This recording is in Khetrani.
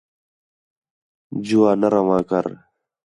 جُؤا نہ رَواں کر